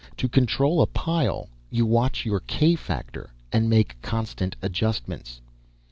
To control a pile you watch your k factor and make constant adjustments."